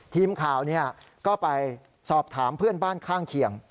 ทีมข่าวก็ไปสอบถามเพื่อนบ้านข้างเคียง